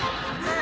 あ！